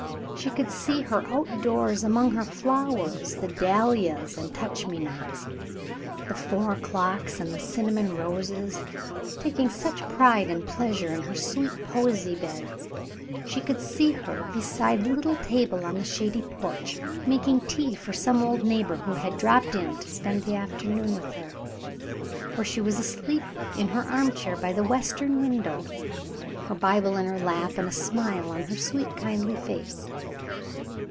She could see her outdoors among her flowers, the dahlias and touch me nots, the four o'clocks and the cinnamon roses, taking such pride and pleasure in her sweet posy beds. She could see her beside the little table on the shady porch, making tea for some old neighbor who had dropped in to spend the afternoon with her. Or she was asleep in her armchair by the western window, her Bible in her lap and a smile on her sweet, kindly face.